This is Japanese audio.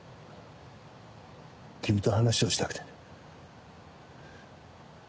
君と話をしたくてね。